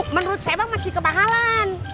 menurut saya emang masih kepahalan